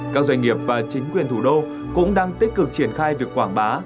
các doanh nghiệp và chính quyền thủ đô cũng đang tích cực triển khai việc quảng bá